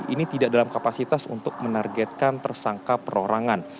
ini tidak dalam kapasitas untuk menargetkan tersangka perorangan